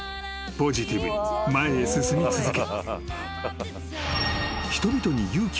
ポジティブに前へ進み続け］